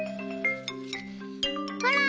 ほら！